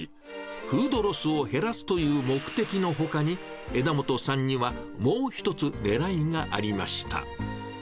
フードロスを減らすという目的のほかに、枝元さんにはもう一つ、ねらいがありました。